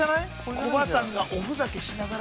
◆コバさんがおふざけしながら。